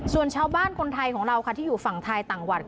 ส่วนชาวบ้านคนไทยของเราค่ะที่อยู่ฝั่งไทยต่างวัด